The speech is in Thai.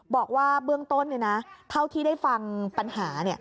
บอกว่าเบื้องต้นเท่าที่ได้ฟังปัญหา